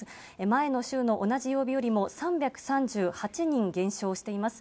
前の週の同じ曜日よりも３３８人減少しています。